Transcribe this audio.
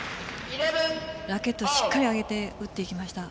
ラケットをしっかり上げて打っていきました。